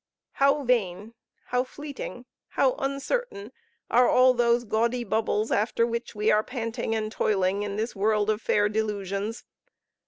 How vain, how fleeting, how uncertain are all those gaudy bubbles after which we are panting and toiling in this world of fair delusions!